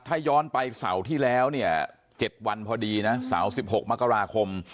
ถ้าย้อนไปเศร้าที่แล้วเจ็บวันพอดีเศร้า๑๖มกราคม